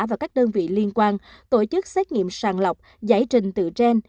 và các đơn vị liên quan tổ chức xét nghiệm sàng lọc giải trình tự gen